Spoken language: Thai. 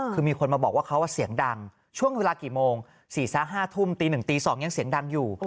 คือมีคนมาบอกว่าเขาเสียงดังช่วงเวลากี่โมง๔๕ทุ่มตี๑ตี๒ยังเสียงดังอยู่